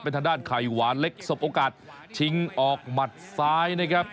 ทางด้านไข่หวานเล็กสบโอกาสชิงออกหมัดซ้ายนะครับ